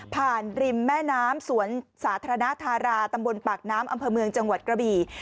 ริมแม่น้ำสวนสาธารณธาราตำบลปากน้ำอำเภอเมืองจังหวัดกระบี่